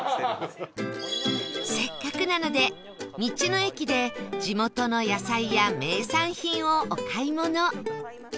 せっかくなので道の駅で地元の野菜や名産品をお買い物